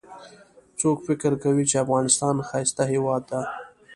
څوک فکر کوي چې افغانستان ښایسته هیواد ده